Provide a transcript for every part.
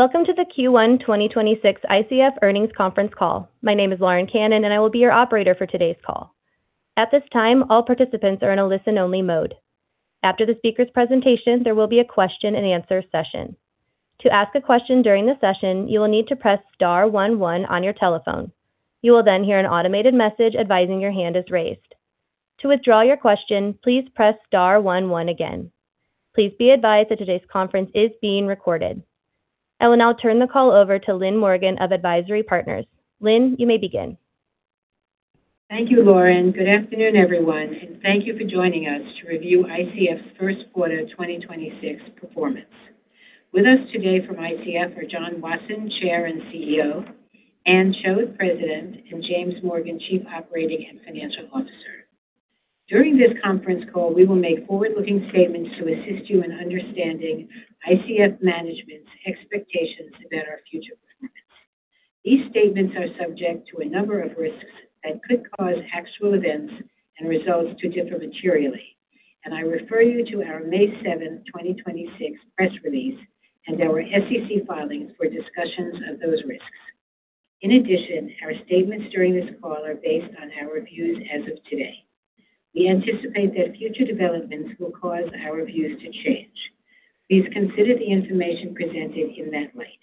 My name is Lauren Cannon. I will be your operator for today's call. At this time, all participants are in a listen-only mode. After the speaker's presentation, there will be a question and answer session. To ask a question during the session, you will need to press star one one on your telephone. You will hear an automated message advising your hand is raised. To withdraw your question, please press star one one again. Please be advised that today's conference is being recorded. I will now turn the call over to Lynn Morgen of AdvisIRy Partners. Lynn, you may begin. Thank you, Lauren. Good afternoon, everyone, and thank you for joining us to review ICF's first quarter of 2026 performance. With us today from ICF are John Wasson, Chair and CEO, Anne Choate, President, and James Morgan, Chief Operating and Financial Officer. During this conference call, we will make forward-looking statements to assist you in understanding ICF Management's expectations about our future performance. These statements are subject to a number of risks that could cause actual events and results to differ materially, and I refer you to our May 7th, 2026 press release and our SEC filings for discussions of those risks. In addition, our statements during this call are based on our reviews as of today. We anticipate that future developments will cause our reviews to change. Please consider the information presented in that light.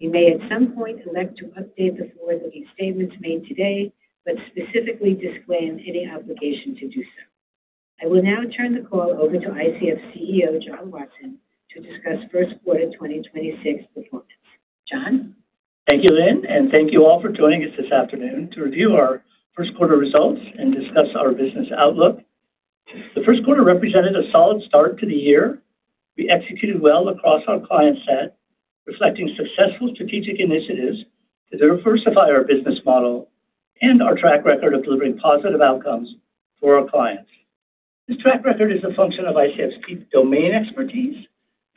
We may, at some point, elect to update the forward-looking statements made today, but specifically disclaim any obligation to do so. I will now turn the call over to ICF's CEO, John Wasson, to discuss first quarter 2026 performance. John? Thank you, Lynn, and thank you all for joining us this afternoon to review our first quarter results and discuss our business outlook. The first quarter represented a solid start to the year. We executed well across our client set, reflecting successful strategic initiatives to diversify our business model and our track record of delivering positive outcomes for our clients. This track record is a function of ICF's deep domain expertise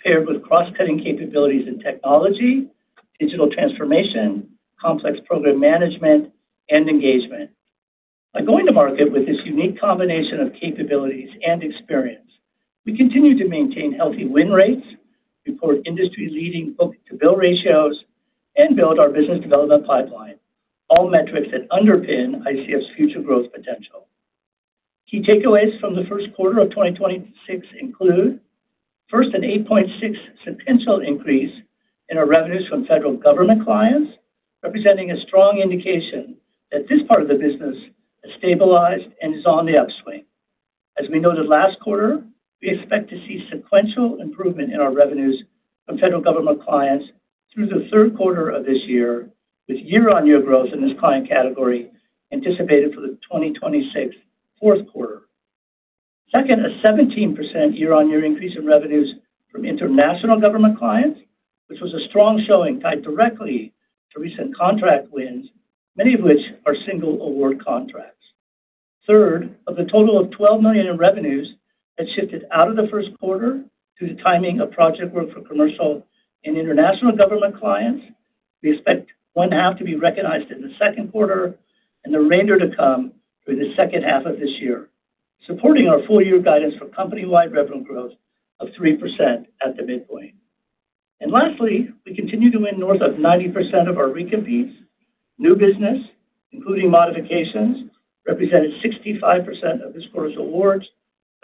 paired with cross-cutting capabilities in technology, digital transformation, complex program management, and engagement. By going to market with this unique combination of capabilities and experience, we continue to maintain healthy win rates, report industry-leading book-to-bill ratios, and build our business development pipeline, all metrics that underpin ICF's future growth potential. Key takeaways from the first quarter of 2026 include, first, an 8.6% sequential increase in our revenues from federal government clients, representing a strong indication that this part of the business has stabilized and is on the upswing. As we noted last quarter, we expect to see sequential improvement in our revenues from federal government clients through the third quarter of this year, with year-on-year growth in this client category anticipated for the 2026 fourth quarter. Second, a 17% year-on-year increase in revenues from international government clients, which was a strong showing tied directly to recent contract wins, many of which are single award contracts. Third, of the total of $12 million in revenues that shifted out of the first quarter due to timing of project work for commercial and international government clients, we expect one half to be recognized in the second quarter and the remainder to come through the second half of this year, supporting our full year guidance for company-wide revenue growth of 3% at the midpoint. Lastly, we continue to win north of 90% of our recompetes. New business, including modifications, represented 65% of this quarter's awards,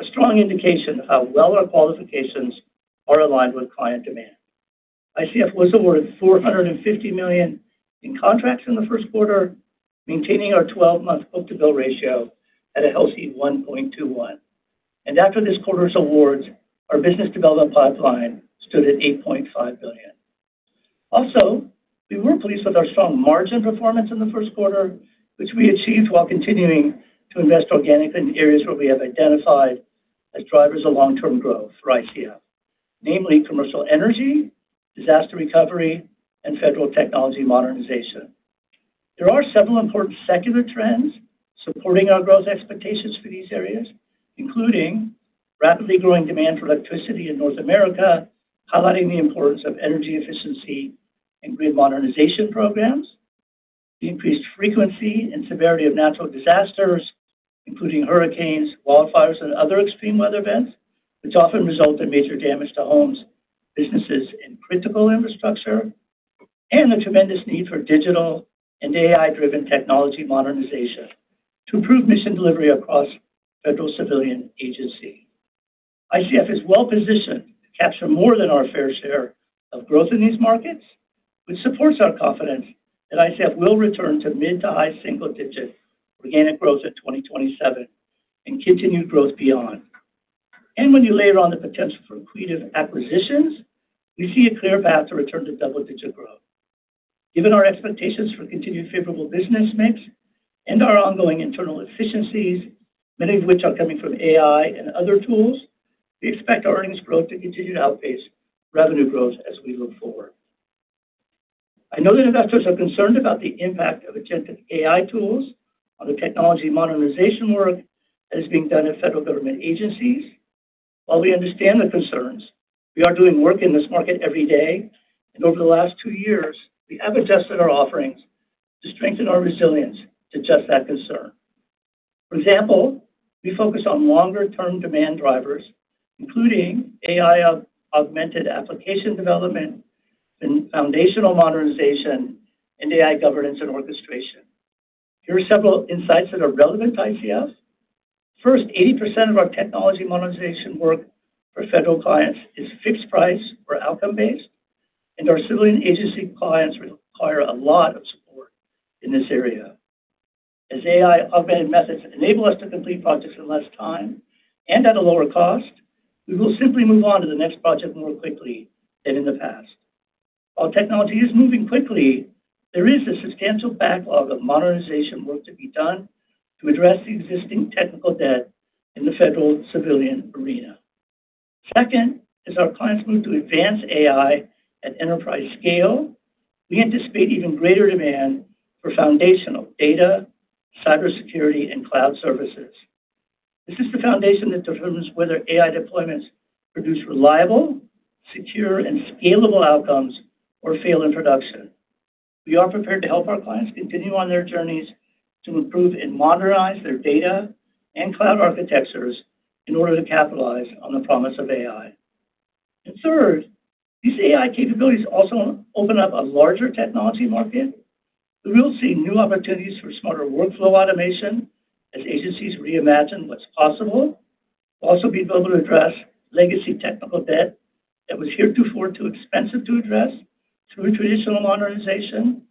a strong indication of how well our qualifications are aligned with client demand. ICF was awarded $450 million in contracts in the first quarter, maintaining our 12-month book-to-bill ratio at a healthy 1.21. After this quarter's awards, our business development pipeline stood at $8.5 billion. We were pleased with our strong margin performance in the first quarter, which we achieved while continuing to invest organically in areas where we have identified as drivers of long-term growth for ICF, namely commercial energy, disaster recovery, and federal technology modernization. There are several important secular trends supporting our growth expectations for these areas, including rapidly growing demand for electricity in North America, highlighting the importance of energy efficiency and grid modernization programs. The increased frequency and severity of natural disasters, including hurricanes, wildfires, and other extreme weather events, which often result in major damage to homes, businesses, and critical infrastructure. The tremendous need for digital and AI-driven technology modernization to improve mission delivery across federal civilian agency. ICF is well-positioned to capture more than our fair share of growth in these markets, which supports our confidence that ICF will return to mid to high single-digit organic growth at 2027 and continued growth beyond. When you layer on the potential for accretive acquisitions, we see a clear path to return to double-digit growth. Given our expectations for continued favorable business mix and our ongoing internal efficiencies, many of which are coming from AI and other tools, we expect our earnings growth to continue to outpace revenue growth as we look forward. I know that investors are concerned about the impact of agentic AI tools on the technology modernization work that is being done at federal government agencies. While we understand the concerns, we are doing work in this market every day, and over the last two years, we have adjusted our offerings to strengthen our resilience to just that concern. For example, we focus on longer-term demand drivers, including AI-augmented application development and foundational modernization and AI governance and orchestration. Here are several insights that are relevant to ICF. First, 80% of our technology modernization work for federal clients is fixed price or outcome-based, and our civilian agency clients require a lot of support in this area. As AI-augmented methods enable us to complete projects in less time and at a lower cost, we will simply move on to the next project more quickly than in the past. While technology is moving quickly, there is a substantial backlog of modernization work to be done to address the existing technical debt in the federal civilian arena. Second, as our clients move to advance AI at enterprise scale, we anticipate even greater demand for foundational data, cybersecurity, and cloud services. This is the foundation that determines whether AI deployments produce reliable, secure, and scalable outcomes or fail in production. We are prepared to help our clients continue on their journeys to improve and modernize their data and cloud architectures in order to capitalize on the promise of AI. Third, these AI capabilities also open up a larger technology market. We will see new opportunities for smarter workflow automation as agencies reimagine what's possible. We'll also be able to address legacy technical debt that was heretofore too expensive to address through traditional modernization.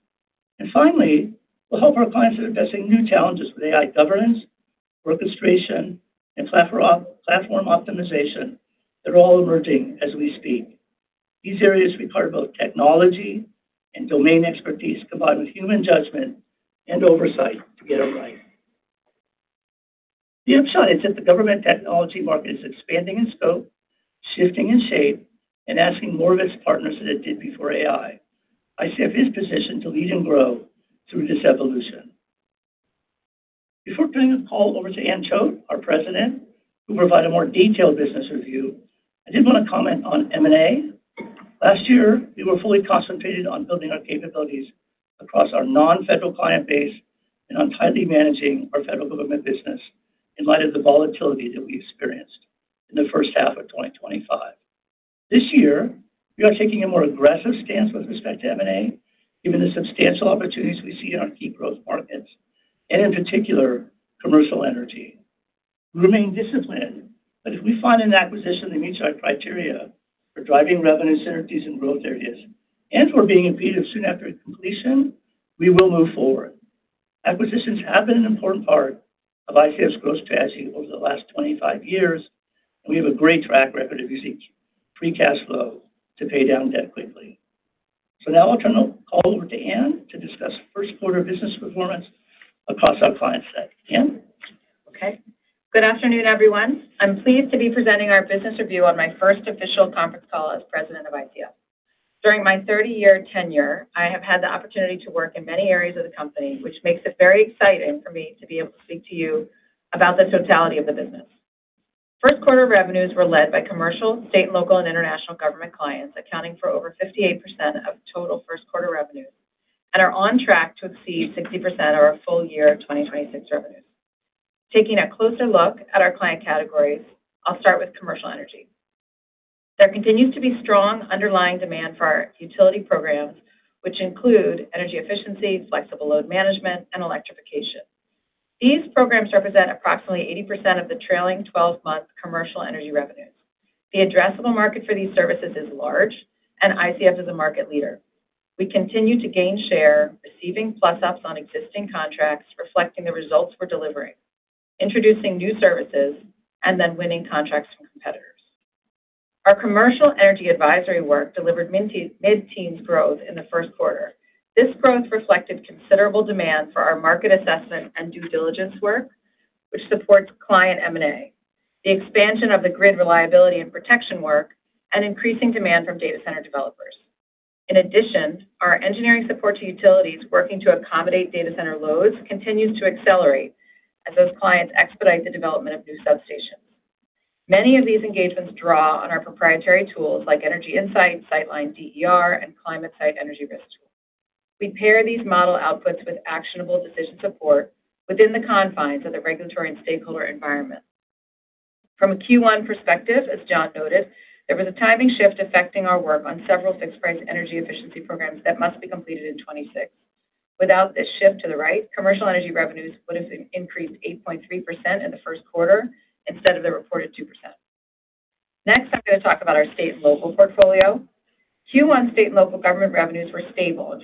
Finally, we'll help our clients in addressing new challenges with AI governance, orchestration, and platform optimization that are all emerging as we speak. These areas require both technology and domain expertise combined with human judgment and oversight to get it right. The upside is that the government technology market is expanding in scope, shifting in shape, and asking more of its partners than it did before AI. ICF is positioned to lead and grow through this evolution. Before turning the call over to Anne Choate, our President, who will provide a more detailed business review, I did want to comment on M&A. Last year, we were fully concentrated on building our capabilities across our non-federal client base and on tightly managing our federal government business in light of the volatility that we experienced in the first half of 2025. This year, we are taking a more aggressive stance with respect to M&A, given the substantial opportunities we see in our key growth markets and in particular, commercial energy. We remain disciplined, if we find an acquisition that meets our criteria for driving revenue synergies in growth areas and for being accretive soon after completion, we will move forward. Acquisitions have been an important part of ICF's growth strategy over the last 25 years, we have a great track record of using free cash flow to pay down debt quickly. Now I'll turn the call over to Anne to discuss first quarter business performance across our client set. Anne? Okay. Good afternoon, everyone. I'm pleased to be presenting our business review on my first official conference call as President of ICF. During my 30-year tenure, I have had the opportunity to work in many areas of the company, which makes it very exciting for me to be able to speak to you about the totality of the business. First quarter revenues were led by commercial, state and local, and international government clients, accounting for over 58% of total first quarter revenues and are on track to exceed 60% of our full year 2026 revenues. Taking a closer look at our client categories, I'll start with commercial energy. There continues to be strong underlying demand for our utility programs, which include energy efficiency, flexible load management, and electrification. These programs represent approximately 80% of the trailing 12-month commercial energy revenues. The addressable market for these services is large, and ICF is a market leader. We continue to gain share, receiving plus-ups on existing contracts reflecting the results we're delivering, introducing new services, and then winning contracts from competitors. Our commercial energy advisory work delivered mid-teens growth in the first quarter. This growth reflected considerable demand for our market assessment and due diligence work, which supports client M&A, the expansion of the grid reliability and protection work, and increasing demand from data center developers. In addition, our engineering support to utilities working to accommodate data center loads continues to accelerate as those clients expedite the development of new substations. Many of these engagements draw on our proprietary tools like Energy Insight, Sightline DER, and ClimateSight Energy Risk. We pair these model outputs with actionable decision support within the confines of the regulatory and stakeholder environment. From a Q1 perspective, as John noted, there was a timing shift affecting our work on several fixed-price energy efficiency programs that must be completed in 2026. Without this shift to the right, commercial energy revenues would have increased 8.3% in the first quarter instead of the reported 2%. Next, I'm going to talk about our state and local portfolio. Q1 state and local government revenues were stable.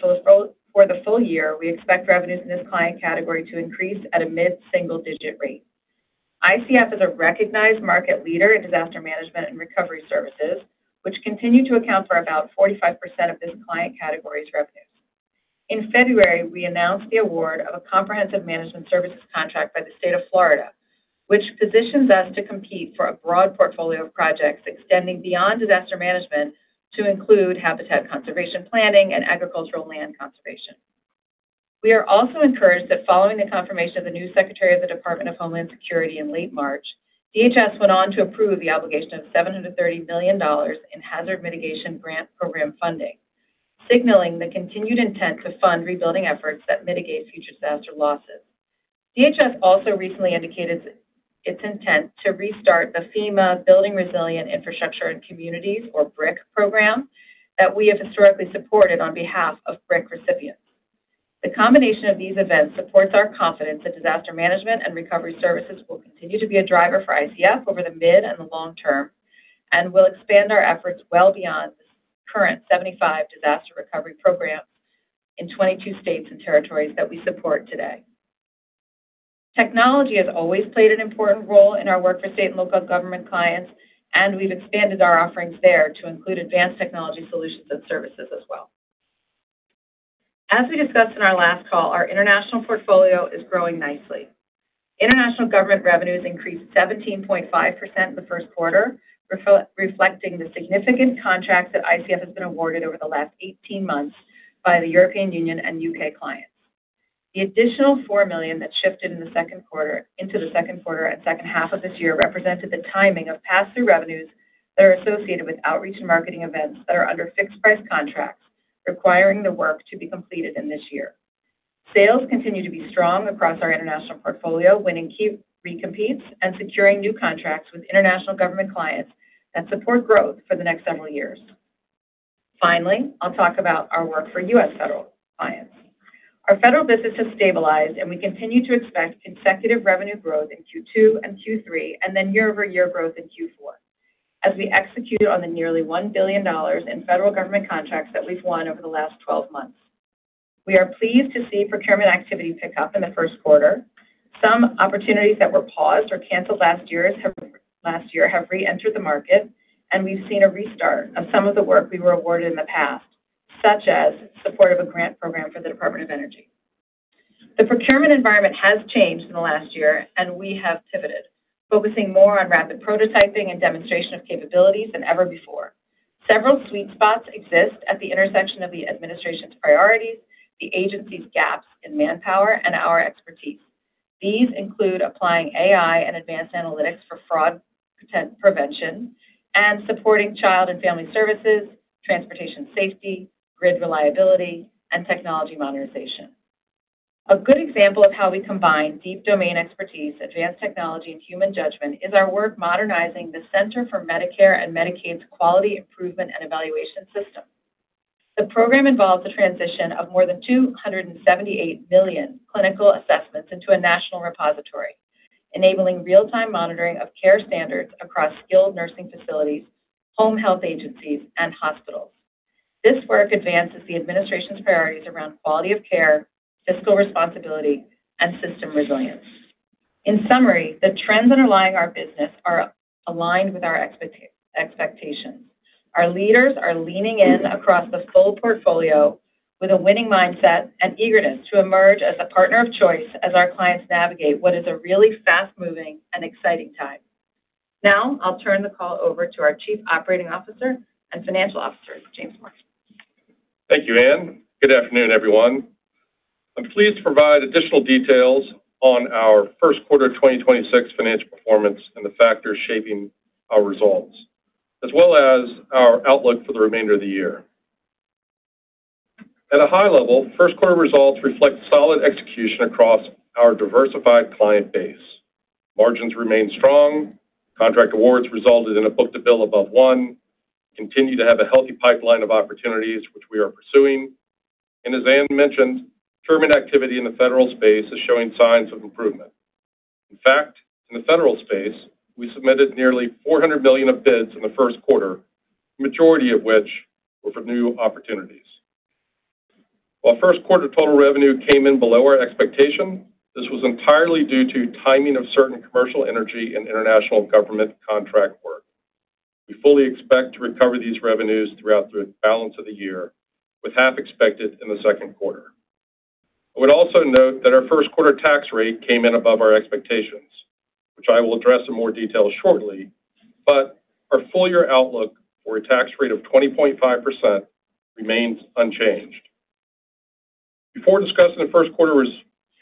For the full year, we expect revenues in this client category to increase at a mid-single-digit rate. ICF is a recognized market leader in disaster management and recovery services, which continue to account for about 45% of this client category's revenues. In February, we announced the award of a comprehensive management services contract by the state of Florida, which positions us to compete for a broad portfolio of projects extending beyond disaster management to include habitat conservation planning and agricultural land conservation. We are also encouraged that following the confirmation of the new Secretary of the Department of Homeland Security in late March, DHS went on to approve the obligation of $730 million in Hazard Mitigation Grant Program funding, signaling the continued intent to fund rebuilding efforts that mitigate future disaster losses. DHS also recently indicated its intent to restart the FEMA Building Resilient Infrastructure and Communities or BRIC program that we have historically supported on behalf of BRIC recipients. The combination of these events supports our confidence that disaster management and recovery services will continue to be a driver for ICF over the mid and the long term. We'll expand our efforts well beyond the current 75 disaster recovery programs in 22 states and territories that we support today. Technology has always played an important role in our work for state and local government clients. We've expanded our offerings there to include advanced technology solutions and services as well. As we discussed in our last call, our international portfolio is growing nicely. International government revenues increased 17.5% in the first quarter, reflecting the significant contracts that ICF has been awarded over the last 18 months by the European Union and U.K. clients. The additional $4 million that shifted into the second quarter and second half of this year represented the timing of pass-through revenues that are associated with outreach and marketing events that are under fixed-price contracts requiring the work to be completed in this year. Sales continue to be strong across our international portfolio, winning key recompetes and securing new contracts with international government clients that support growth for the next several years. Finally, I'll talk about our work for U.S. federal clients. Our federal business has stabilized, and we continue to expect consecutive revenue growth in Q2 and Q3, and then year-over-year growth in Q4 as we execute on the nearly $1 billion in federal government contracts that we've won over the last 12 months. We are pleased to see procurement activity pick up in the first quarter. Some opportunities that were paused or canceled last year have reentered the market, we've seen a restart of some of the work we were awarded in the past, such as support of a grant program for the Department of Energy. The procurement environment has changed in the last year, we have pivoted, focusing more on rapid prototyping and demonstration of capabilities than ever before. Several sweet spots exist at the intersection of the administration's priorities, the agency's gaps in manpower, and our expertise. These include applying AI and advanced analytics for fraud prevention and supporting child and family services, transportation safety, grid reliability, and technology modernization. A good example of how we combine deep domain expertise, advanced technology, and human judgment is our work modernizing the Centers for Medicare & Medicaid Services' Quality Improvement and Evaluation System. The program involves the transition of more than 278 million clinical assessments into a national repository, enabling real-time monitoring of care standards across skilled nursing facilities, home health agencies, and hospitals. This work advances the administration's priorities around quality of care, fiscal responsibility, and system resilience. In summary, the trends underlying our business are aligned with our expectations. Our leaders are leaning in across the full portfolio with a winning mindset and eagerness to emerge as a partner of choice as our clients navigate what is a really fast-moving and exciting time. Now I'll turn the call over to our Chief Operating Officer and Financial Officer, James Morgan. Thank you, Anne. Good afternoon, everyone. I'm pleased to provide additional details on our first quarter 2026 financial performance and the factors shaping our results, as well as our outlook for the remainder of the year. At a high level, first quarter results reflect solid execution across our diversified client base. Margins remain strong. Contract awards resulted in a book-to-bill above one, continue to have a healthy pipeline of opportunities which we are pursuing. As Anne mentioned, procurement activity in the federal space is showing signs of improvement. In fact, in the federal space, we submitted nearly $400 million of bids in the first quarter, the majority of which were for new opportunities. While first quarter total revenue came in below our expectation, this was entirely due to timing of certain commercial energy and international government contract work. We fully expect to recover these revenues throughout the balance of the year, with half expected in the second quarter. I would also note that our first quarter tax rate came in above our expectations, which I will address in more detail shortly, but our full-year outlook for a tax rate of 20.5% remains unchanged. Before discussing the first quarter's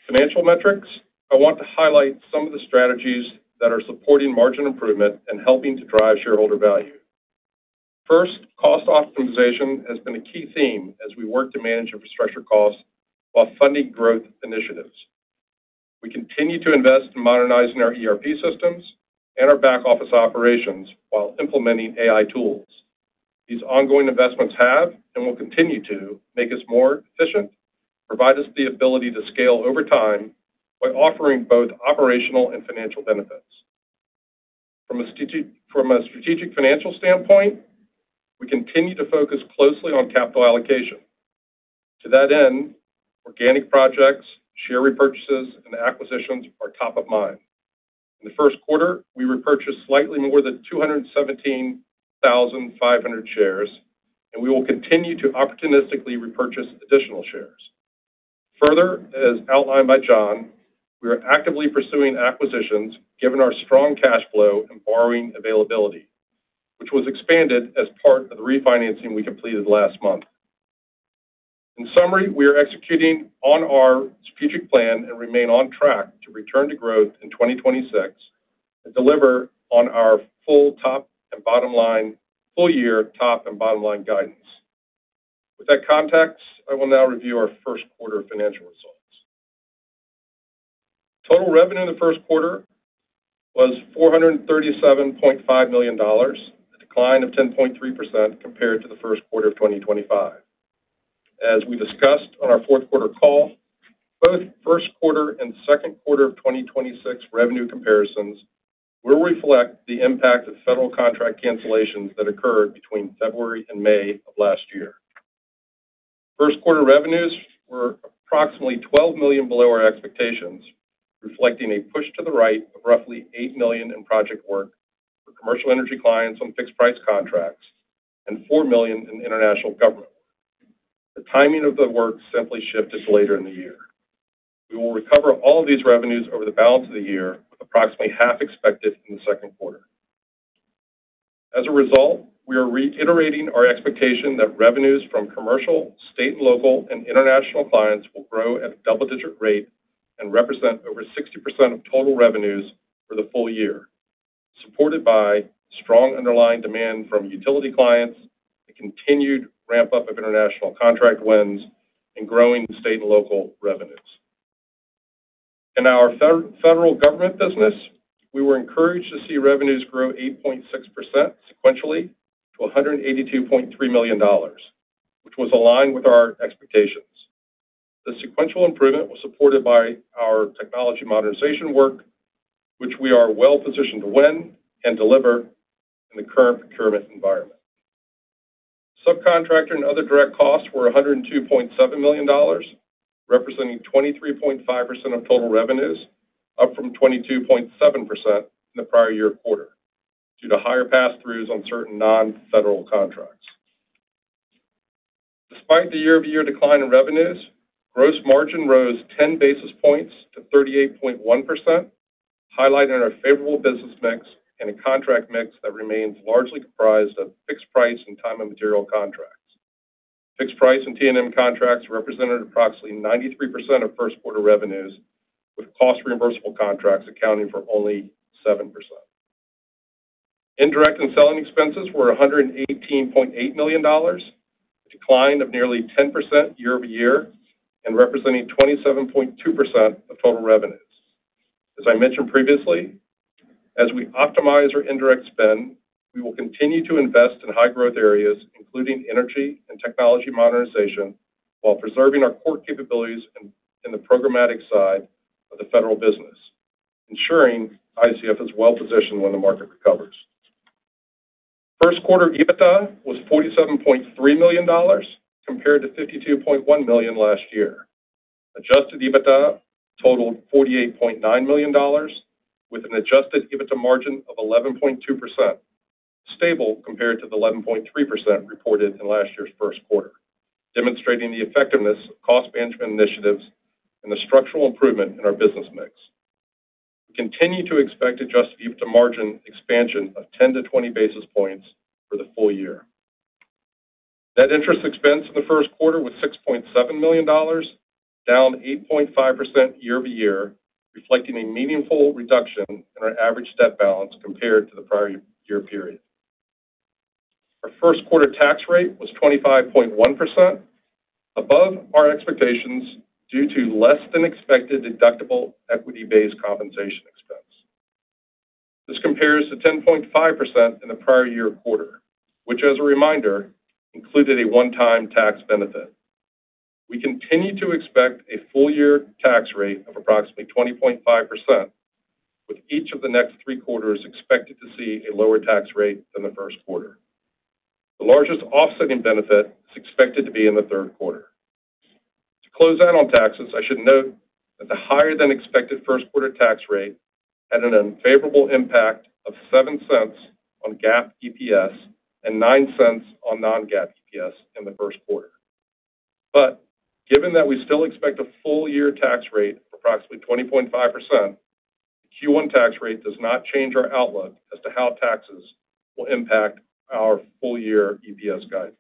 financial metrics, I want to highlight some of the strategies that are supporting margin improvement and helping to drive shareholder value. First, cost optimization has been a key theme as we work to manage infrastructure costs while funding growth initiatives. We continue to invest in modernizing our ERP systems and our back-office operations while implementing AI tools. These ongoing investments have and will continue to make us more efficient, provide us the ability to scale over time by offering both operational and financial benefits. From a strategic financial standpoint, we continue to focus closely on capital allocation. To that end, organic projects, share repurchases, and acquisitions are top of mind. In the first quarter, we repurchased slightly more than 217,500 shares, and we will continue to opportunistically repurchase additional shares. As outlined by John we are actively pursuing acquisitions given our strong cash flow and borrowing availability, which was expanded as part of the refinancing we completed last month. In summary, we are executing on our strategic plan and remain on track to return to growth in 2026 and deliver on our full top and bottom line, full year top and bottom line guidance. With that context, I will now review our first quarter financial results. Total revenue in the first quarter was $437.5 million, a decline of 10.3% compared to the first quarter of 2025. As we discussed on our fourth quarter call, both first quarter and second quarter of 2026 revenue comparisons will reflect the impact of federal contract cancellations that occurred between February and May of last year. First quarter revenues were approximately $12 million below our expectations, reflecting a push to the right of roughly $8 million in project work for commercial energy clients on fixed-price contracts and $4 million in international government. The timing of the work simply shifted to later in the year. We will recover all of these revenues over the balance of the year, with approximately half expected in the second quarter. As a result, we are reiterating our expectation that revenues from commercial, state and local, and international clients will grow at a double-digit rate and represent over 60% of total revenues for the full year, supported by strong underlying demand from utility clients, a continued ramp-up of international contract wins, and growing state and local revenues. In our federal government business, we were encouraged to see revenues grow 8.6% sequentially to $182.3 million, which was aligned with our expectations. The sequential improvement was supported by our technology modernization work, which we are well-positioned to win and deliver in the current procurement environment. Subcontractor and other direct costs were $102.7 million, representing 23.5% of total revenues, up from 22.7% in the prior year quarter due to higher pass-throughs on certain non-federal contracts. Despite the year-over-year decline in revenues, gross margin rose 10 basis points to 38.1%, highlighting our favorable business mix and a contract mix that remains largely comprised of fixed-price and time-and-material contracts. Fixed-price and T&M contracts represented approximately 93% of first quarter revenues, with cost-reimbursable contracts accounting for only 7%. Indirect and selling expenses were $118.8 million, a decline of nearly 10% year-over-year and representing 27.2% of total revenues. As I mentioned previously, as we optimize our indirect spend, we will continue to invest in high-growth areas, including energy and technology modernization, while preserving our core capabilities in the programmatic side of the federal business, ensuring ICF is well-positioned when the market recovers. First quarter EBITDA was $47.3 million compared to $52.1 million last year. Adjusted EBITDA totaled $48.9 million with an adjusted EBITDA margin of 11.2%, stable compared to the 11.3% reported in last year's first quarter, demonstrating the effectiveness of cost management initiatives and the structural improvement in our business mix. We continue to expect adjusted EBITDA margin expansion of 10-20 basis points for the full year. Net interest expense in the first quarter was $6.7 million, down 8.5% year-over-year, reflecting a meaningful reduction in our average debt balance compared to the prior year period. Our first quarter tax rate was 25.1%, above our expectations due to less than expected deductible equity-based compensation expense. This compares to 10.5% in the prior year quarter, which, as a reminder, included a one-time tax benefit. We continue to expect a full-year tax rate of approximately 20.5%, with each of the next three quarters expected to see a lower tax rate than the first quarter. The largest offsetting benefit is expected to be in the third quarter. To close out on taxes, I should note that the higher-than-expected first quarter tax rate had an unfavorable impact of $0.07 on GAAP EPS and $0.09 on non-GAAP EPS in the first quarter. Given that we still expect a full-year tax rate of approximately 20.5%, the Q1 tax rate does not change our outlook as to how taxes will impact our full-year EPS guidance.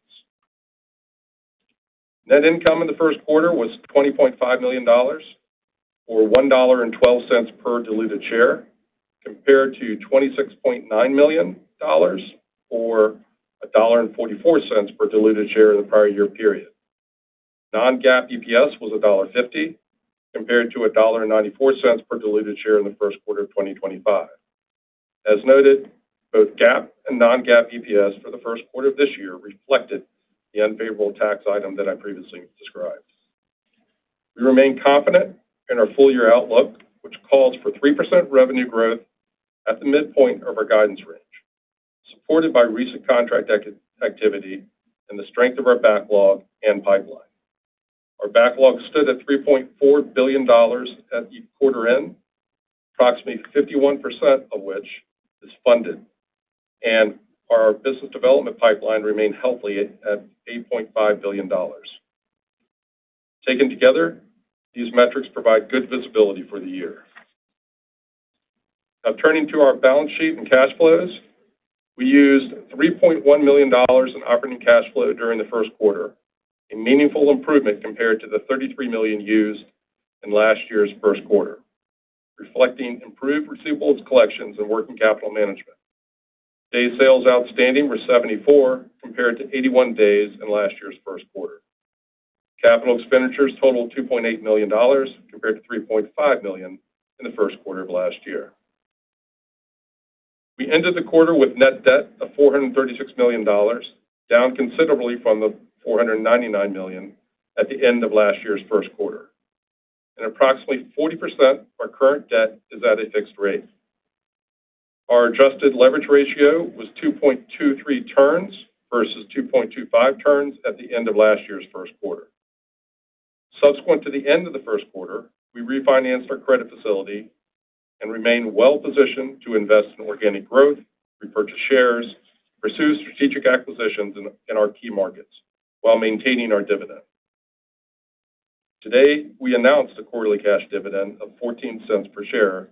Net income in the first quarter was $20.5 million, or $1.12 per diluted share, compared to $26.9 million, or $1.44 per diluted share in the prior year period. Non-GAAP EPS was $1.50, compared to $1.94 per diluted share in the first quarter of 2025. As noted, both GAAP and non-GAAP EPS for the first quarter of this year reflected the unfavorable tax item that I previously described. We remain confident in our full-year outlook, which calls for 3% revenue growth at the midpoint of our guidance range, supported by recent contract activity and the strength of our backlog and pipeline. Our backlog stood at $3.4 billion at quarter end, approximately 51% of which is funded, and our business development pipeline remained healthy at $8.5 billion. Taken together, these metrics provide good visibility for the year. Turning to our balance sheet and cash flows. We used $3.1 million in operating cash flow during the first quarter, a meaningful improvement compared to the $33 million used in last year's first quarter, reflecting improved receivables collections and working capital management. Day sales outstanding were 74 compared to 81 days in last year's first quarter. Capital expenditures totaled $2.8 million compared to $3.5 million in the first quarter of last year. We ended the quarter with net debt of $436 million, down considerably from the $499 million at the end of last year's first quarter. Approximately 40% of our current debt is at a fixed rate. Our adjusted leverage ratio was 2.23 turns versus 2.25 turns at the end of last year's first quarter. Subsequent to the end of the first quarter, we refinanced our credit facility and remain well-positioned to invest in organic growth, repurchase shares, pursue strategic acquisitions in our key markets while maintaining our dividend. Today, we announced a quarterly cash dividend of $0.14 per share,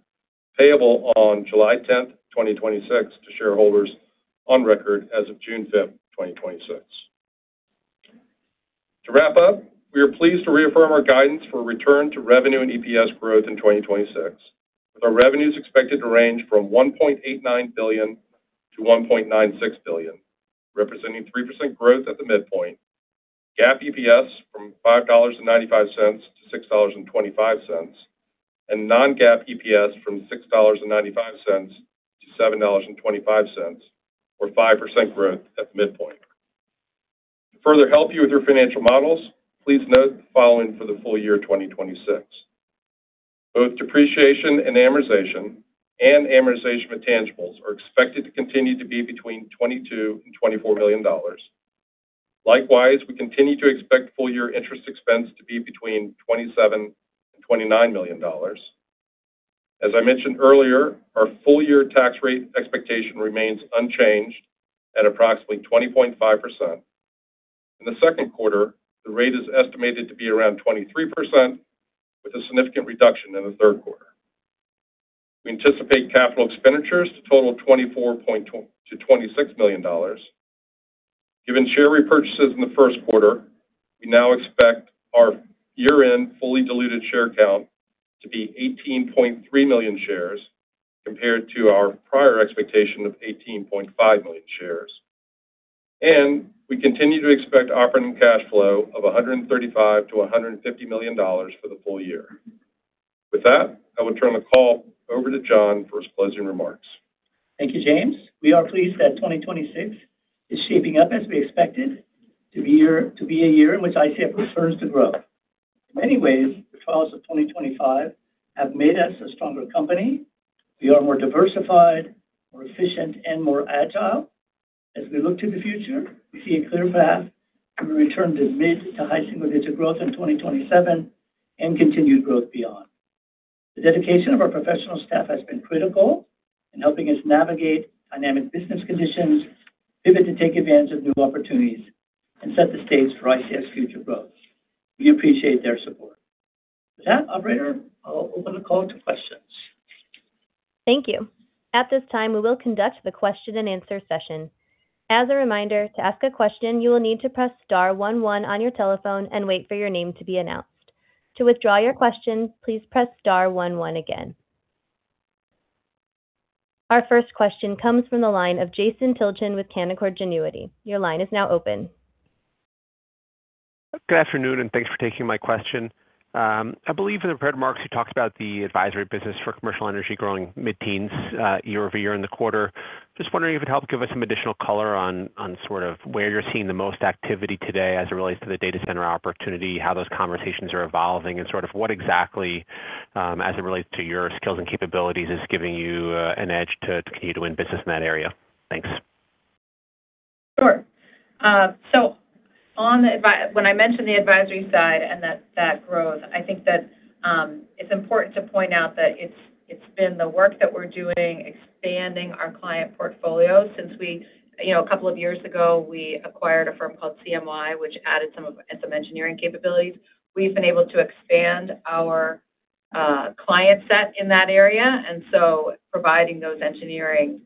payable on July 10th, 2026 to shareholders on record as of June 5th, 2026. To wrap up, we are pleased to reaffirm our guidance for return to revenue and EPS growth in 2026, with our revenues expected to range from $1.89 billion-$1.96 billion, representing 3% growth at the midpoint. GAAP EPS from $5.95-$6.25. Non-GAAP EPS from $6.95-$7.25, or 5% growth at the midpoint. To further help you with your financial models, please note the following for the full year 2026. Both depreciation and amortization and amortization of intangibles are expected to continue to be between $22 million-$24 million. Likewise, we continue to expect full year interest expense to be between $27 million and $29 million. As I mentioned earlier, our full year tax rate expectation remains unchanged at approximately 20.5%. In the second quarter, the rate is estimated to be around 23%, with a significant reduction in the third quarter. We anticipate capital expenditures to total $24.2 million-$26 million. Given share repurchases in the first quarter, we now expect our year-end fully diluted share count to be 18.3 million shares compared to our prior expectation of 18.5 million shares. We continue to expect operating cash flow of $135 million-$150 million for the full year. With that, I will turn the call over to John for his closing remarks. Thank you, James. We are pleased that 2026 is shaping up as we expected to be a year in which ICF resumes to grow. In many ways, the trials of 2025 have made us a stronger company. We are more diversified, more efficient, and more agile. As we look to the future, we see a clear path to return to mid to high single-digit growth in 2027 and continued growth beyond. The dedication of our professional staff has been critical in helping us navigate dynamic business conditions, pivot to take advantage of new opportunities, and set the stage for ICF's future growth. We appreciate their support. With that, operator, I'll open the call to questions. Thank you. At this time, we will conduct the question-and-answer session. As a reminder, to ask a question, you will need to press star one one on your telephone and wait for your name to be announced. To withdraw your question, please press star one one again. Our first question comes from the line of Jason Tilchen with Canaccord Genuity. Your line is now open. Good afternoon, and thanks for taking my question. I believe in the prepared remarks, you talked about the advisory business for commercial energy growing mid-teens year-over-year in the quarter. Just wondering if you'd help give us some additional color on sort of where you're seeing the most activity today as it relates to the data center opportunity, how those conversations are evolving, and sort of what exactly, as it relates to your skills and capabilities, is giving you an edge to continue to win business in that area. Thanks. Sure. When I mentioned the advisory side and that growth, I think that it's important to point out that it's been the work that we're doing expanding our client portfolio since we, you know, a couple of years ago, we acquired a firm called CMY, which added some engineering capabilities. We've been able to expand our client set in that area, providing those engineering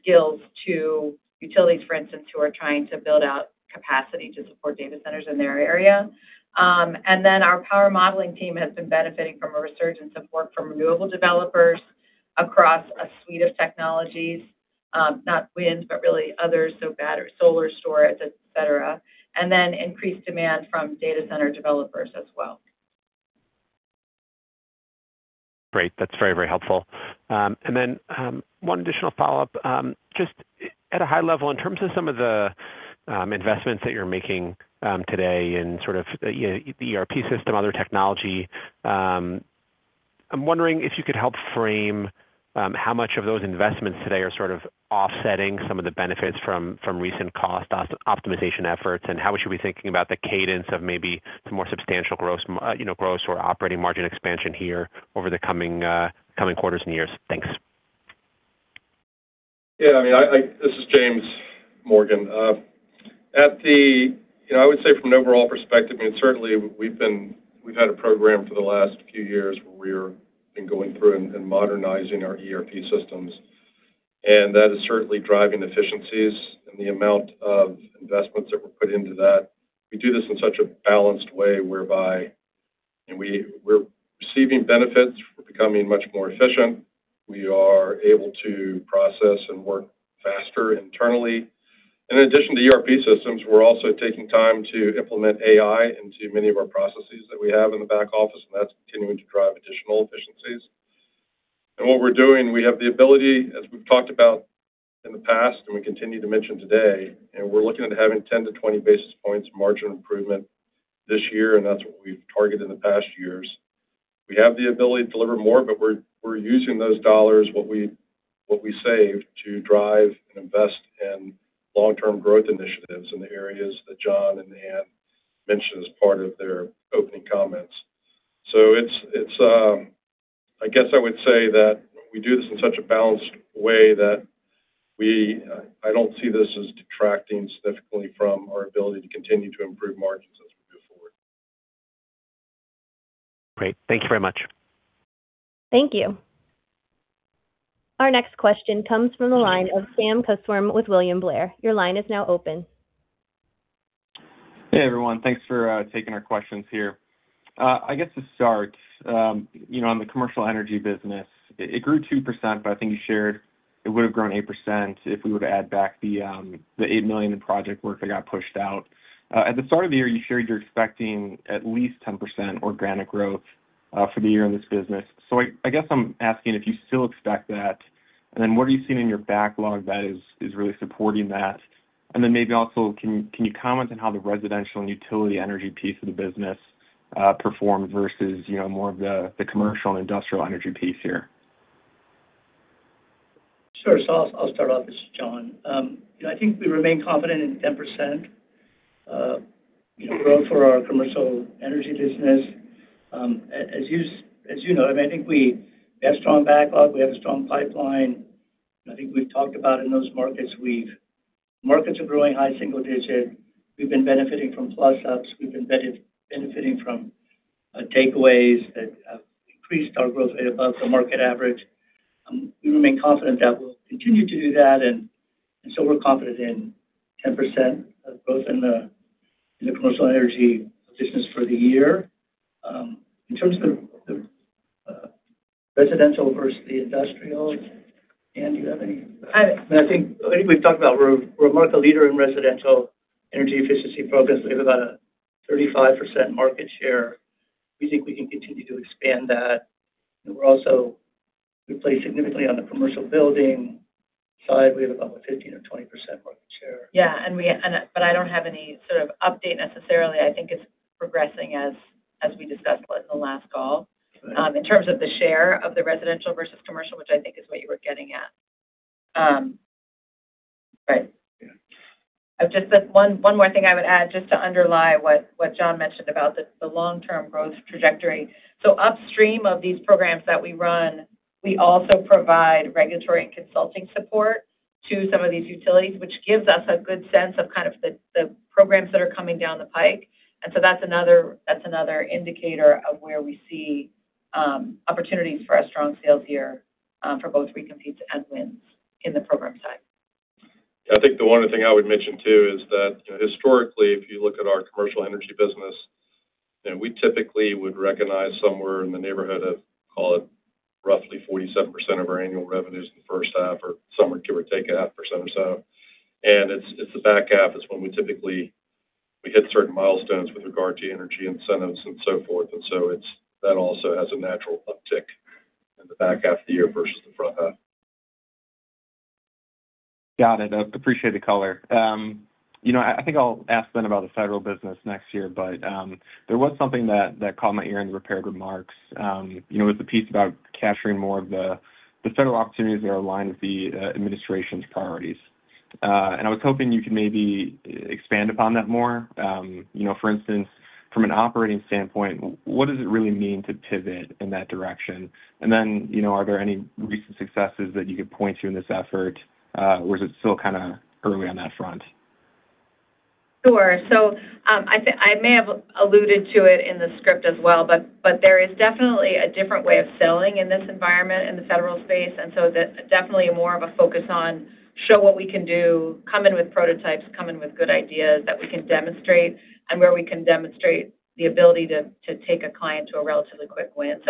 skills to utilities, for instance, who are trying to build out capacity to support data centers in their area. Our power modeling team has been benefiting from a resurgence of work from renewable developers across a suite of technologies, not wind, but really others, so battery, solar storage, et cetera. Increased demand from data center developers as well. Great. That's very, very helpful. Then, one additional follow-up. Just at a high level, in terms of some of the investments that you're making today in sort of, you know, the ERP system, other technology, I'm wondering if you could help frame how much of those investments today are sort of offsetting some of the benefits from recent cost optimization efforts, and how we should be thinking about the cadence of maybe some more substantial gross or operating margin expansion here over the coming quarters and years. Thanks. This is James Morgan. You know, I would say from an overall perspective, I mean, certainly we've had a program for the last few years where we're been going through and modernizing our ERP systems. That is certainly driving efficiencies and the amount of investments that were put into that. We do this in such a balanced way whereby, and we're receiving benefits. We're becoming much more efficient. We are able to process and work faster internally. In addition to ERP systems, we're also taking time to implement AI into many of our processes that we have in the back office, and that's continuing to drive additional efficiencies. What we're doing, we have the ability, as we've talked about in the past, and we continue to mention today, and we're looking at having 10-20 basis points margin improvement this year, and that's what we've targeted in the past years. We have the ability to deliver more, we're using those dollars, what we saved, to drive and invest in long-term growth initiatives in the areas that John and Anne mentioned as part of their opening comments. It's, I guess I would say that we do this in such a balanced way that we, I don't see this as detracting significantly from our ability to continue to improve margins as we move forward. Great. Thank you very much. Thank you. Our next question comes from the line of Sam Kusswurm with William Blair. Your line is now open. Hey, everyone. Thanks for taking our questions here. I guess to start, you know, on the commercial energy business, it grew 2%, but I think you shared it would have grown 8% if we were to add back the $8 million in project work that got pushed out. At the start of the year, you shared you're expecting at least 10% organic growth for the year in this business. I guess I'm asking if you still expect that, what are you seeing in your backlog that is really supporting that? Maybe also, can you comment on how the residential and utility energy piece of the business performed versus, you know, more of the commercial and industrial energy piece here? I'll start off. This is John. You know, I think we remain confident in 10%, you know, growth for our commercial energy business. As you know, I mean, I think we have strong backlog. We have a strong pipeline. I think we've talked about in those markets are growing high single-digit. We've been benefiting from plus-ups. We've been benefiting from takeaways that increased our growth rate above the market average. We remain confident that we'll continue to do that. We're confident in 10% of growth in the commercial energy business for the year. In terms of the residential versus the industrial, Anne, do you have any? I think we've talked about we're a market leader in residential energy efficiency programs. We have about a 35% market share. We think we can continue to expand that. We play significantly on the commercial building side. We have about 15% or 20% market share. Yeah. I don't have any sort of update necessarily. I think it's progressing as we discussed what in the last call. Right. In terms of the share of the residential versus commercial, which I think is what you were getting at. Right. Yeah. I've just said one more thing I would add just to underlie what John mentioned about the long-term growth trajectory. Upstream of these programs that we run, we also provide regulatory and consulting support to some of these utilities, which gives us a good sense of kind of the programs that are coming down the pike. That's another, that's another indicator of where we see opportunities for our strong sales here for both recompetes and wins in the program side. I think the one other thing I would mention too is that, you know, historically, if you look at our commercial energy business, you know, we typically would recognize somewhere in the neighborhood of, call it, roughly 47% of our annual revenues in the first half or somewhere give or take a 0.5% or so. It's the back half is when we typically hit certain milestones with regard to energy incentives and so forth. That also has a natural uptick in the back half of the year versus the front half. Got it. I appreciate the color. You know, I think I'll ask then about the federal business next year, but, there was something that caught my ear in the prepared remarks. You know, it was the piece about capturing more of the federal opportunities that are aligned with the, administration's priorities. I was hoping you could maybe expand upon that more. You know, for instance, from an operating standpoint, what does it really mean to pivot in that direction? You know, are there any recent successes that you could point to in this effort, or is it still kinda early on that front? Sure. I may have alluded to it in the script as well, but there is definitely a different way of selling in this environment in the federal space. Definitely more of a focus on show what we can do, come in with prototypes, come in with good ideas that we can demonstrate and where we can demonstrate the ability to take a client to a relatively quick win.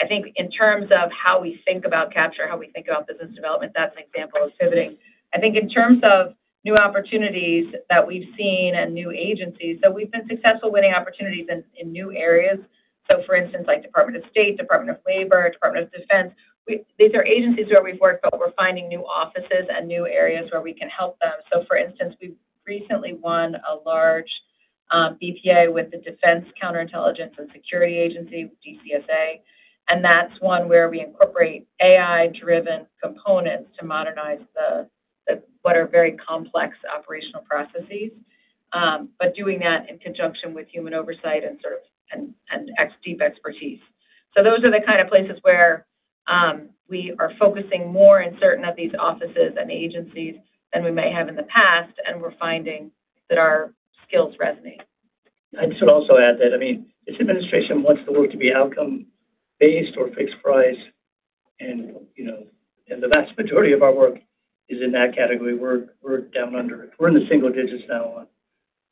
I think in terms of how we think about capture, how we think about business development, that's an example of pivoting. I think in terms of new opportunities that we've seen and new agencies, we've been successful winning opportunities in new areas. For instance, like Department of State, Department of Labor, Department of Defense, these are agencies where we've worked, but we're finding new offices and new areas where we can help them. For instance, we've recently won a large BPA with the Defense Counterintelligence and Security Agency, DCSA, and that's one where we incorporate AI-driven components to modernize. What are very complex operational processes, but doing that in conjunction with human oversight and deep expertise. Those are the kind of places where, we are focusing more in certain of these offices and agencies than we may have in the past, and we're finding that our skills resonate. I should also add that, I mean, this administration wants the work to be outcome-based or fixed price and, you know, the vast majority of our work is in that category. We're in the single digits now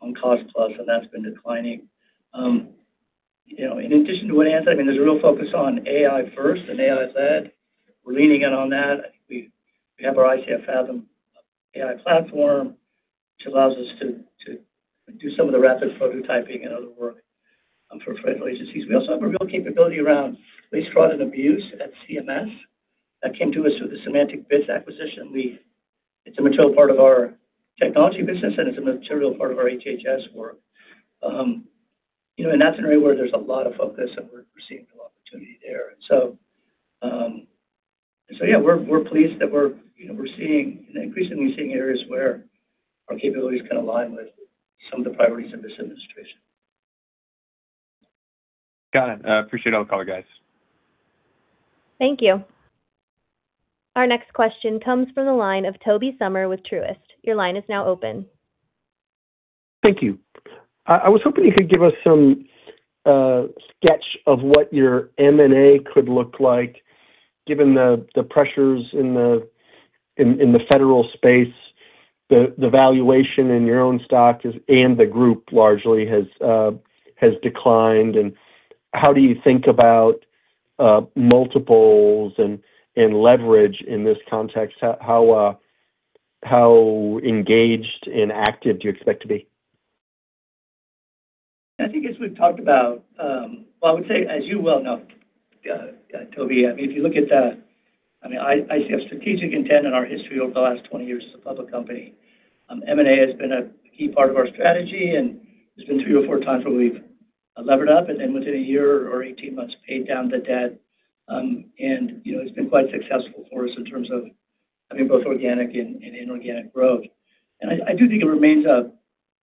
on cost plus, and that's been declining. You know, in addition to what Anne said, I mean, there's a real focus on AI first and AI-led. We're leaning in on that. I think we have our ICF Fathom AI platform, which allows us to do some of the rapid prototyping and other work for federal agencies. We also have a real capability around waste, fraud, and abuse at CMS that came to us through the SemanticBits acquisition. It's a material part of our technology business, and it's a material part of our HHS work. You know, that's an area where there's a lot of focus and we're seeing real opportunity there. Yeah, we're pleased that we're increasingly seeing areas where our capabilities can align with some of the priorities of this administration. Got it. I appreciate all the color, guys. Thank you. Our next question comes from the line of Tobey Sommer with Truist. Your line is now open. Thank you. I was hoping you could give us some sketch of what your M&A could look like given the pressures in the federal space. The valuation in your own stock and the group largely has declined. How do you think about multiples and leverage in this context? How engaged and active do you expect to be? I think as we've talked about, well, I would say, as you well know, Tobey, I mean, if you look at, I mean, I see a strategic intent in our history over the last 20 years as a public company. M&A has been a key part of our strategy, and there's been three or four times where we've levered up and then within a year or 18 months paid down the debt. And, you know, it's been quite successful for us in terms of, I mean, both organic and inorganic growth. I do think it remains a,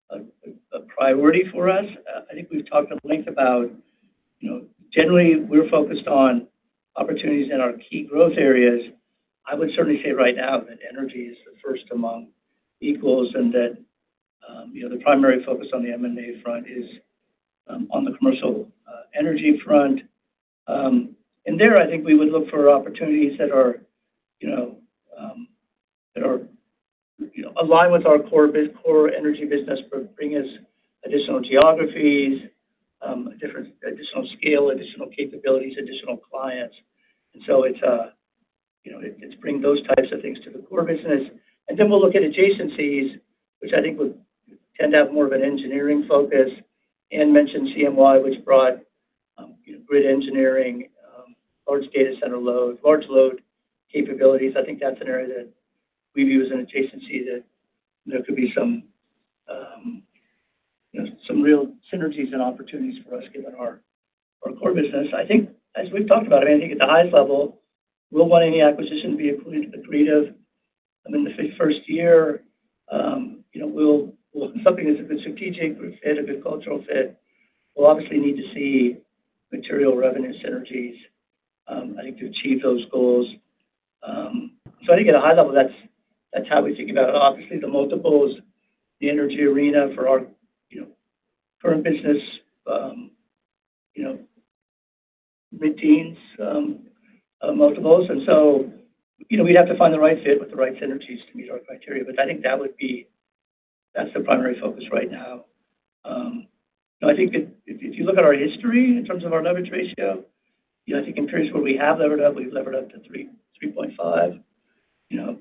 a priority for us. I think we've talked at length about, you know, generally we're focused on opportunities in our key growth areas. I would certainly say right now that energy is the first among equals and that, you know, the primary focus on the M&A front is on the commercial energy front. I think we would look for opportunities that are, you know, that are, you know, align with our core energy business, but bring us additional geographies, additional scale, additional capabilities, additional clients. So it, you know, it's bringing those types of things to the core business. We'll look at adjacencies, which I think would tend to have more of an engineering focus. Anne mentioned CMY, which brought, you know, grid engineering, large data center load, large load capabilities. I think that's an area that we view as an adjacency that there could be some, you know, some real synergies and opportunities for us given our core business. I think as we've talked about, I mean, I think at the highest level, we'll want any acquisition to be accretive, I mean, the first year. You know, something that's a good strategic group fit, a good cultural fit. We'll obviously need to see material revenue synergies, I think, to achieve those goals. I think at a high level, that's how we think about it. Obviously, the multiples, the energy arena for our, you know, current business, you know, mid-teens multiples. You know, we'd have to find the right fit with the right synergies to meet our criteria. I think that's the primary focus right now. You know, I think that if you look at our history in terms of our leverage ratio, you know, I think in periods where we have levered up, we've levered up to 3.5, you know,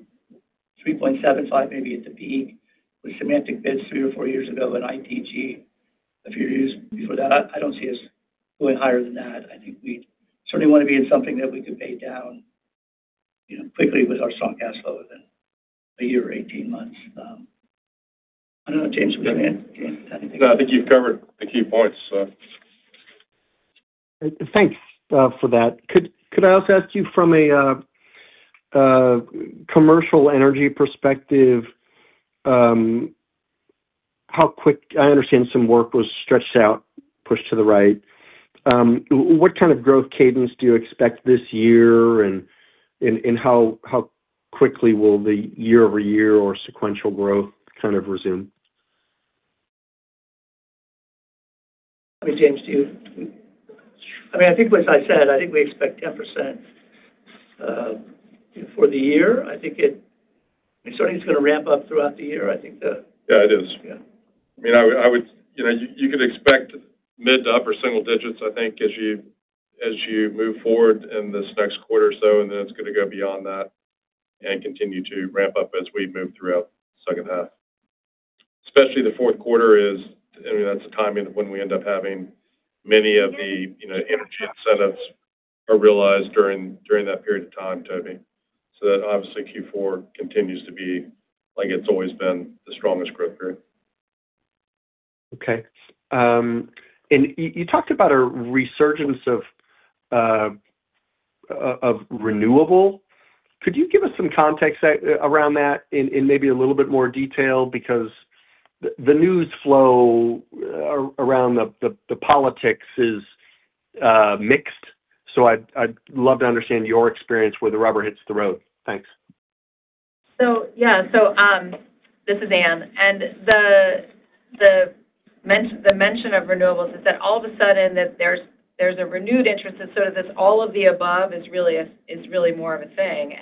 3.75 maybe at the peak with SemanticBits three or four years ago, and ITG a few years before that. I don't see us going higher than that. I think we'd certainly wanna be in something that we could pay down, you know, quickly with our strong cash flow within one year or 18 months. I don't know, James, would you add anything? No, I think you've covered the key points, so. Thanks for that. Could I also ask you from a commercial energy perspective, I understand some work was stretched out, pushed to the right. What kind of growth cadence do you expect this year, and how quickly will the year-over-year or sequential growth kind of resume? I mean, James, I mean, I think as I said, I think we expect 10% for the year. I certainly think it's gonna ramp up throughout the year. Yeah, it is. Yeah. I mean, you know, you could expect mid to upper single digits, I think, as you move forward in this next quarter or so, and then it's gonna go beyond that and continue to ramp up as we move throughout second half. Especially the fourth quarter is, I mean, that's a timing of when we end up having many of the, you know, energy incentives are realized during that period of time, Tobey. That obviously Q4 continues to be, like it's always been, the strongest growth period. Okay. You talked about a resurgence of renewable. Could you give us some context around that in maybe a little bit more detail? The news flow around the politics is mixed, so I'd love to understand your experience where the rubber hits the road. Thanks. This is Anne. The mention of renewables is that all of a sudden there's a renewed interest, and this all of the above is really more of a thing.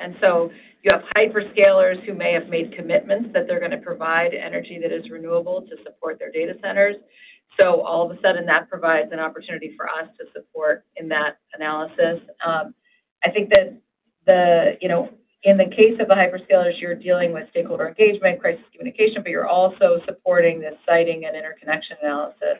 You have hyperscalers who may have made commitments that they're gonna provide energy that is renewable to support their data centers. All of a sudden, that provides an opportunity for us to support in that analysis. I think that, you know, in the case of the hyperscalers, you're dealing with stakeholder engagement, crisis communication, but you're also supporting the siting and interconnection analysis.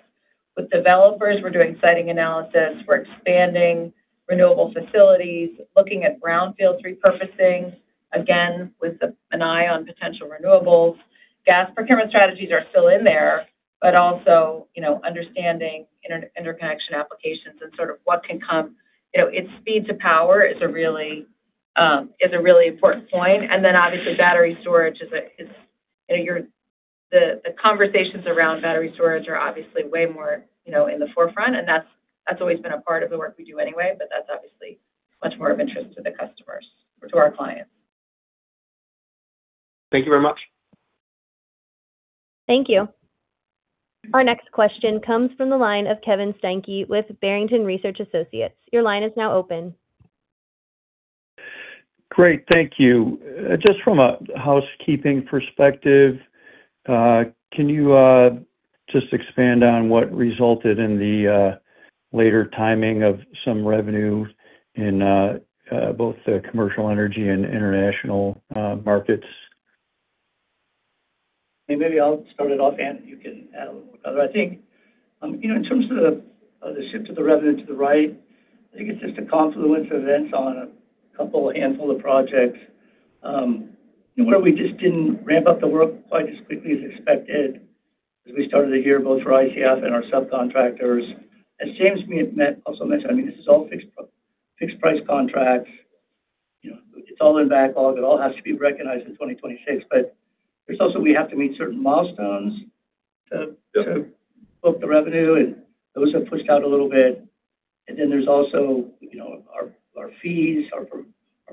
With developers, we're doing siting analysis. We're expanding renewable facilities, looking at brownfields repurposing, again, with an eye on potential renewables. Gas procurement strategies are still in there, but also, you know, understanding interconnection applications and sort of what can come. You know, it's speed to power is a really important point. Then obviously battery storage is a, you know, The conversations around battery storage are obviously way more, you know, in the forefront, and that's always been a part of the work we do anyway, but that's obviously much more of interest to the customers or to our clients. Thank you very much. Thank you. Our next question comes from the line of Kevin Steinke with Barrington Research Associates. Your line is now open. Great. Thank you. Just from a housekeeping perspective, can you just expand on what resulted in the later timing of some revenue in both the commercial energy and international markets? Maybe I'll start it off, Anne. You can add a little more color. I think, you know, in terms of the, of the shift of the revenue to the right, I think it's just a confluence of events on a couple, a handful of projects, you know, where we just didn't ramp up the work quite as quickly as expected as we started the year, both for ICF and our subcontractors. As James also mentioned, I mean, this is all fixed price contracts. You know, it's all in backlog. It all has to be recognized in 2026. There's also we have to meet certain milestones to book the revenue, and those have pushed out a little bit. There's also, you know, our fees are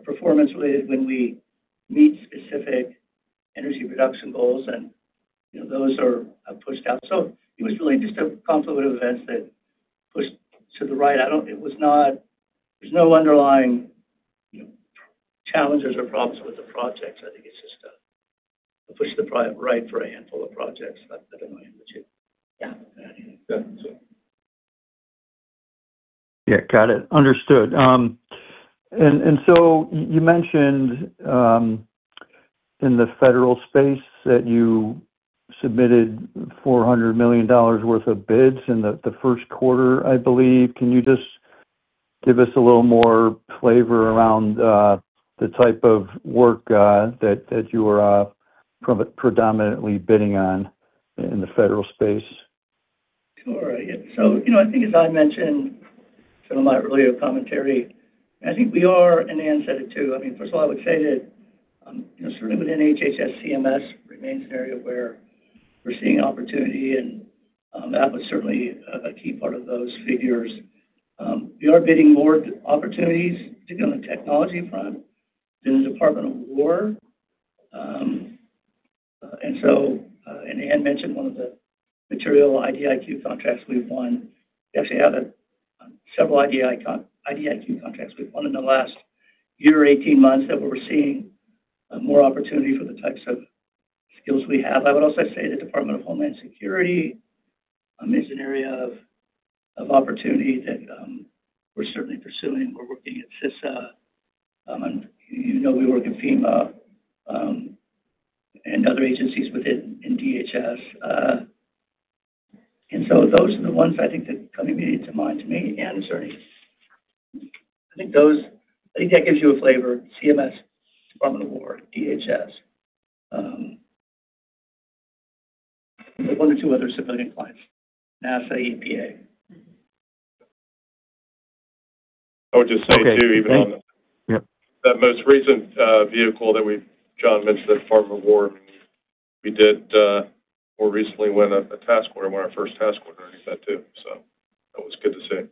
performance related when we meet specific energy reduction goals and, you know, those are pushed out. It was really just a confluence of events that pushed to the right. It was not. There's no underlying, you know, challenges or problems with the projects. I think it's just a push to the right for a handful of projects. I don't know, Anne. Yeah. Yeah. Got it. Understood. You mentioned in the federal space that you submitted $400 million worth of bids in the first quarter, I believe. Can you just give us a little more flavor around the type of work that you are predominantly bidding on in the federal space? Sure. Yeah. You know, I think as I mentioned sort of my earlier commentary, I think we are, and Anne said it too, I mean, first of all, I would say that, you know, certainly within HHS, CMS remains an area where we're seeing opportunity and that was certainly a key part of those figures. We are bidding more opportunities, particularly on the technology front in the Department of Defense. Anne mentioned one of the material IDIQ contracts we've won. We actually have several IDIQ contracts we've won in the last year or 18 months that we're seeing more opportunity for the types of skills we have. I would also say the Department of Homeland Security is an area of opportunity that we're certainly pursuing. We're working at CISA, you know we work with FEMA, and other agencies in DHS. Those are the ones I think that come immediately to mind to me. Anne, is there any? I think that gives you a flavor. CMS, Department of Defense, DHS. One or two other civilian clients, NASA, EPA. I would just say, too. Okay. Yeah. That most recent vehicle that John mentioned at Department of Defense, we did, more recently won a task order, won our first task order under that, too. That was good to see.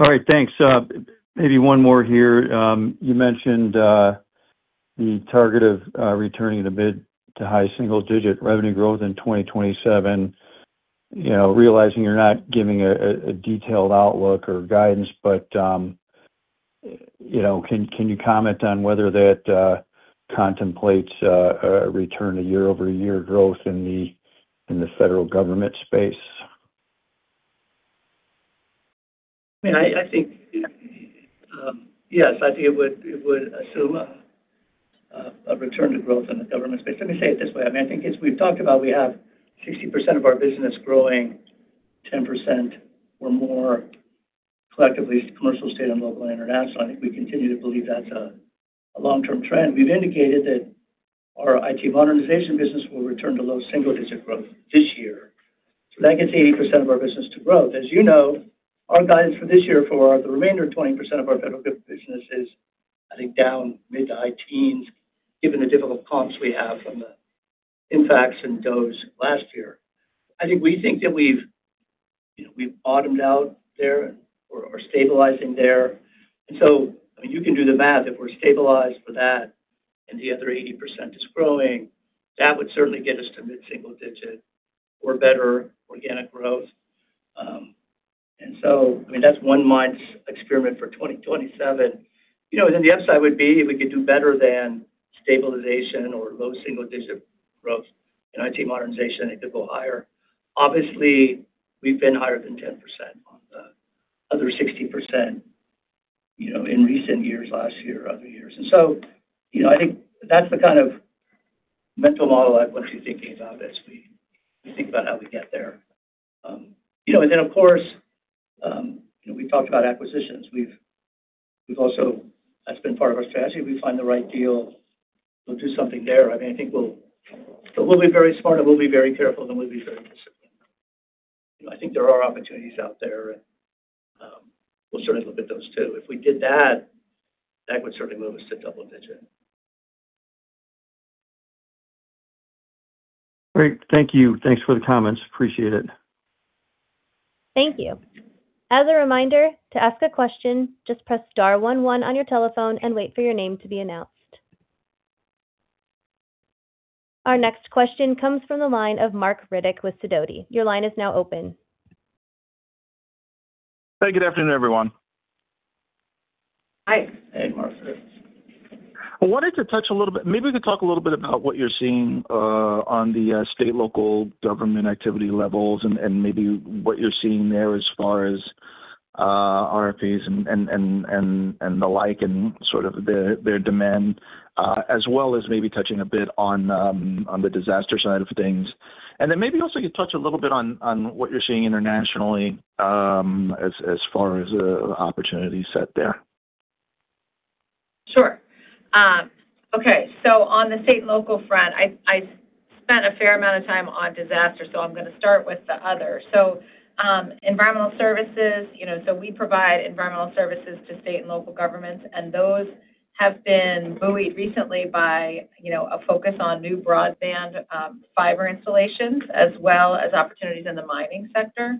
All right. Thanks. maybe one more here. You mentioned the target of returning to mid to high single-digit revenue growth in 2027. You know, realizing you're not giving a detailed outlook or guidance, but, you know, can you comment on whether that contemplates a return to year-over-year growth in the federal government space? I mean, I think, yes, I think it would assume a return to growth in the government space. Let me say it this way. I mean, I think as we've talked about, we have 60% of our business growing 10% or more Collectively, commercial, state, and local and international. I think we continue to believe that's a long-term trend. We've indicated that our IT modernization business will return to low single-digit growth this year. That gets 80% of our business to growth. As you know, our guidance for this year for the remainder 20% of our federal business is, I think, down mid-to-high teens, given the difficult comps we have from the impacts in those last year. I think we think that we've, you know, we've bottomed out there or stabilizing there. I mean, you can do the math. If we're stabilized for that and the other 80% is growing, that would certainly get us to mid-single-digit or better organic growth. I mean, that's one month's experiment for 2027. The upside would be if we could do better than stabilization or low single-digit growth in IT modernization, it could go higher. Obviously, we've been higher than 10% on the other 60%, you know, in recent years, last year, other years. I think that's the kind of mental model I'd want you thinking about as we think about how we get there. You know, of course, you know, we talked about acquisitions. We've also. That's been part of our strategy. If we find the right deal, we'll do something there. I mean, I think we'll be very smart, we'll be very careful, we'll be very disciplined. I think there are opportunities out there, we'll certainly look at those, too. If we did that would certainly move us to double digit. Great. Thank you. Thanks for the comments. Appreciate it. Thank you. As a reminder, to ask a question, just press star one one on your telephone and wait for your name to be announced. Our next question comes from the line of Marc Riddick with Sidoti. Your line is now open. Hey, good afternoon, everyone. Hi. Hey, Marc. I wanted to touch a little bit. Maybe we could talk a little bit about what you're seeing on the state, local government activity levels and maybe what you're seeing there as far as RFPs and the like and sort of their demand, as well as maybe touching a bit on the disaster side of things. Then maybe also you touch a little bit on what you're seeing internationally, as far as opportunity set there. Sure. Okay. On the state and local front, I spent a fair amount of time on disaster, so I'm gonna start with the other. Environmental services, you know. We provide environmental services to state and local governments, and those have been buoyed recently by, you know, a focus on new broadband fiber installations as well as opportunities in the mining sector,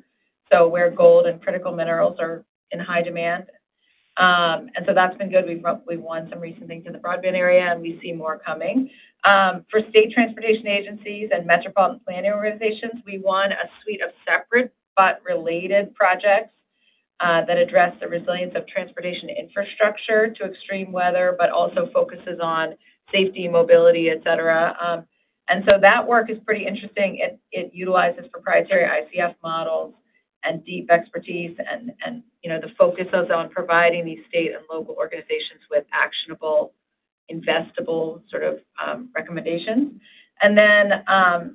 where gold and critical minerals are in high demand. That's been good. We've won some recent things in the broadband area, and we see more coming. For state transportation agencies and metropolitan planning organizations, we won a suite of separate but related projects that address the resilience of transportation infrastructure to extreme weather, but also focuses on safety, mobility, et cetera. That work is pretty interesting. It utilizes proprietary ICF models and deep expertise and, you know, the focuses on providing these state and local organizations with actionable, investable sort of recommendations. I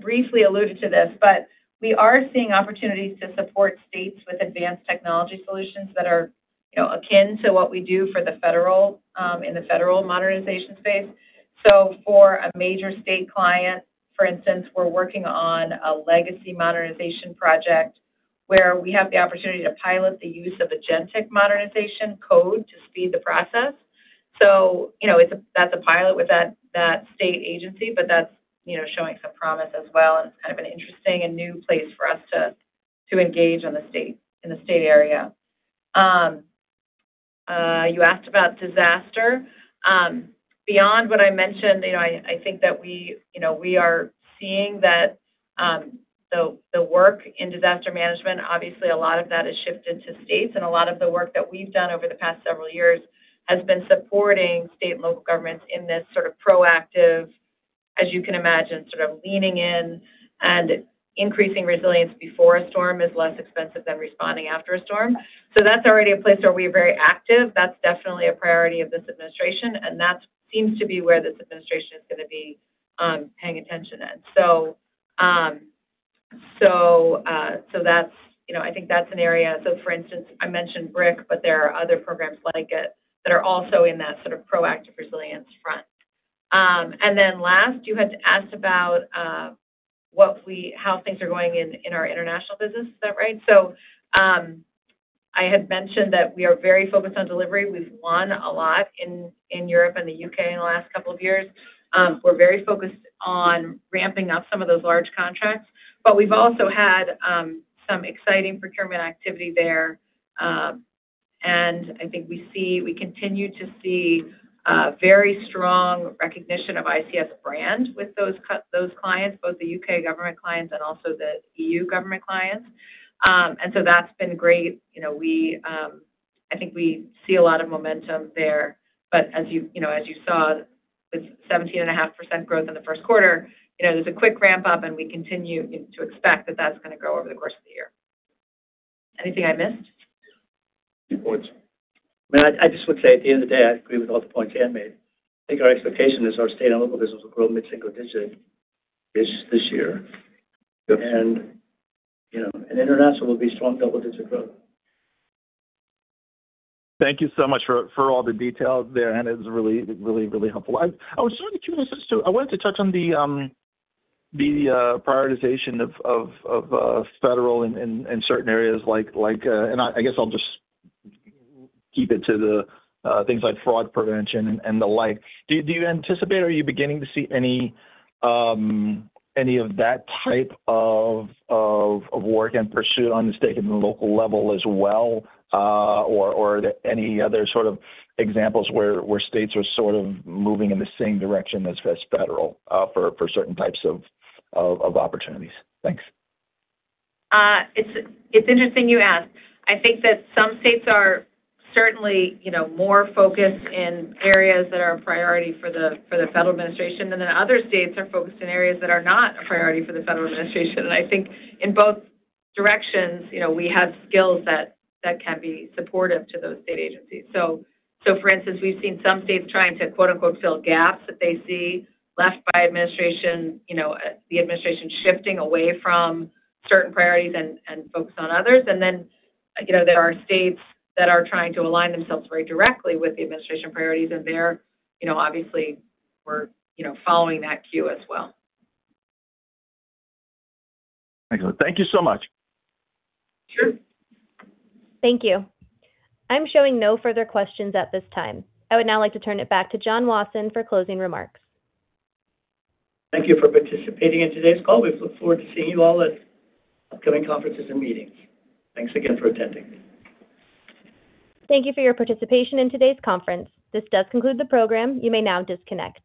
briefly alluded to this, but we are seeing opportunities to support states with advanced technology solutions that are, you know, akin to what we do for the federal in the federal modernization space. For a major state client, for instance, we're working on a legacy modernization project where we have the opportunity to pilot the use of a GenAI modernization code to speed the process. You know, that's a pilot with that state agency, but that's, you know, showing some promise as well, and it's kind of an interesting and new place for us to engage in the state area. You asked about disaster. Beyond what I mentioned, you know, I think that we, you know, we are seeing that the work in disaster management, obviously a lot of that has shifted to states, and a lot of the work that we've done over the past several years has been supporting state and local governments in this sort of proactive, as you can imagine, sort of leaning in and increasing resilience before a storm is less expensive than responding after a storm. That's already a place where we're very active. That's definitely a priority of this administration, and that seems to be where this administration is gonna be paying attention in. That's, you know, I think that's an area. For instance, I mentioned BRIC, but there are other programs like it that are also in that sort of proactive resilience front. Then last, you had asked about how things are going in our international business. Is that right? I had mentioned that we are very focused on delivery. We've won a lot in Europe and the U.K. in the last couple of years. We're very focused on ramping up some of those large contracts, but we've also had some exciting procurement activity there. I think we see, we continue to see very strong recognition of ICF's brand with those clients, both the U.K. government clients and also the EU government clients. That's been great. You know, we, I think we see a lot of momentum there. As you know, as you saw, the seventeen and a half percent growth in the first quarter, you know, there's a quick ramp up, and we continue, you know, to expect that that's gonna grow over the course of the year. Anything I missed? Key points. Marc, I just would say at the end of the day, I agree with all the points Anne made. I think our expectation is our state and local business will grow mid-single digit this year. Yes. You know, and international will be strong double-digit growth. Thank you so much for all the detail there, Anne. It's really helpful. I was sort of curious. I wanted to touch on the prioritization of federal in certain areas like fraud prevention and the like. Do you anticipate, are you beginning to see any of that type of work and pursuit on the state and the local level as well? Or any other sort of examples where states are sort of moving in the same direction as federal for certain types of opportunities? Thanks. It's interesting you ask. I think that some states are certainly, you know, more focused in areas that are a priority for the federal administration, other states are focused in areas that are not a priority for the federal administration. I think in both directions, you know, we have skills that can be supportive to those state agencies. So for instance, we've seen some states trying to quote-unquote, "fill gaps" that they see left by administration, you know, the administration shifting away from certain priorities and focus on others. There are states that are trying to align themselves very directly with the administration priorities, and they're, you know, obviously we're, you know, following that cue as well. Excellent. Thank you so much. Sure. Thank you. I'm showing no further questions at this time. I would now like to turn it back to John Wasson for closing remarks. Thank you for participating in today's call. We look forward to seeing you all at upcoming conferences and meetings. Thanks again for attending. Thank you for your participation in today's conference. This does conclude the program. You may now disconnect.